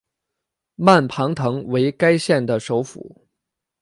曼庞滕为该县的首府。